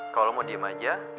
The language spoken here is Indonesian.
kalau mau diem aja